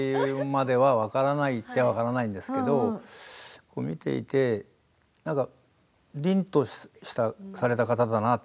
分からないって言えば分からないんですけど、見ていてりんとされた方だなと。